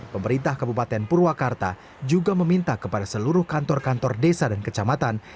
pemerintah kabupaten purwakarta juga meminta kepada seluruh kantor kantor desa dan kecamatan